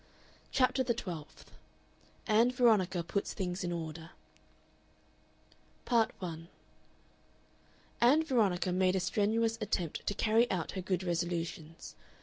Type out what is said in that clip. CHAPTER THE TWELFTH ANN VERONICA PUTS THINGS IN ORDER Part 1 Ann Veronica made a strenuous attempt to carry out her good resolutions.